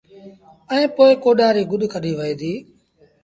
ائيٚݩ پو ڪوڏآر ريٚ گُڏ ڪڍيٚ وهي دي